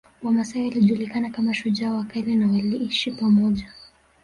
Wamasai walijulikana kama shujaa wakali na waliishi pamoja